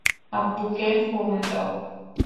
আব্বুকে ফোন দাও।